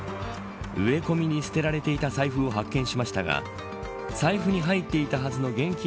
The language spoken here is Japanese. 植え込みに捨てられていた財布を発見しましたが財布に入っていたはずの現金